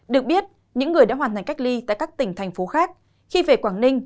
được biết những người đã hoàn thành cách ly tại các tỉnh thành phố khác khi về quảng ninh